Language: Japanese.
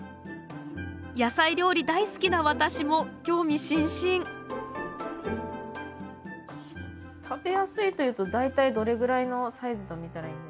野菜料理大好きな私も興味津々食べやすいというと大体どれぐらいのサイズと見たらいいんですか？